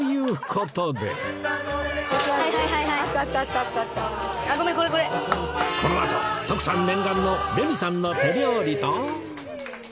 このあと徳さん念願のレミさんの手料理と